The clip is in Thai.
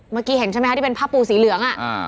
เมื่อกี้เห็นใช่ไหมคะที่เป็นผ้าปูสีเหลือง